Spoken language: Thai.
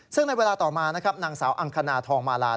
ซึ่งในเวลาต่อมานะครับนางสาวอังคณาทองมาลา